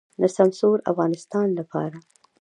د سمسور افغانستان لپاره.